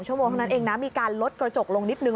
เพราะฉะนั้นเองมีการลดกระจกลงนิดหนึ่ง